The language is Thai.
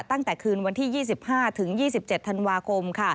ตั้งแต่คืนวันที่๒๕๒๗ธันวาคม